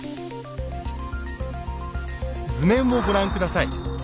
図面をご覧下さい。